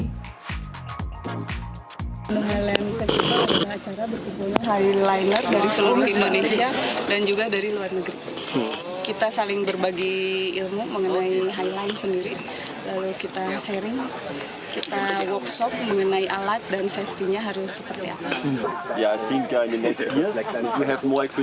highland festival adalah acara berkumpul highliner dari seluruh indonesia dan juga dari luar negeri